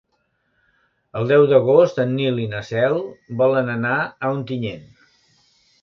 El deu d'agost en Nil i na Cel volen anar a Ontinyent.